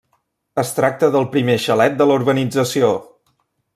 Es tracta del primer xalet de la urbanització.